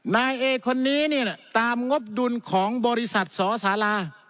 นายเอคนนี้เนี่ยตามงบดุลของบริษัทสอสารา